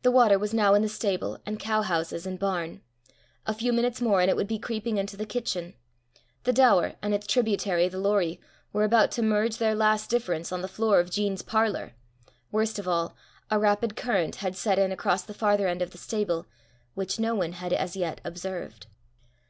The water was now in the stable and cow houses and barn. A few minutes more and it would be creeping into the kitchen. The Daur and its tributary the Lorrie were about to merge their last difference on the floor of Jean's parlour. Worst of all, a rapid current had set in across the farther end of the stable, which no one had as yet observed.